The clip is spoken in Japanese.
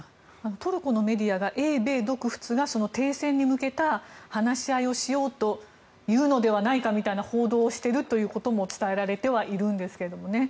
トルコのメディアが英米独仏が停戦に向けた話し合いをしようというのではないかという報道をしているというふうに伝えられてはいるんですが。